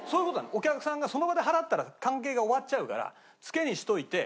お客さんがその場で払ったら関係が終わっちゃうから。